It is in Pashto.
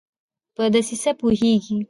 په دسیسه پوهیږي